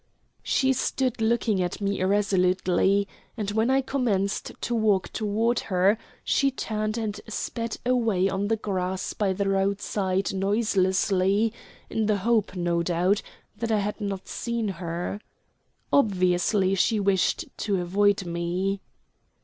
She stood looking at me irresolutely, and when I commenced to walk toward her she turned and sped away on the grass by the roadside noiselessly, in the hope, no doubt, that I had not seen her. Obviously she wished to avoid me.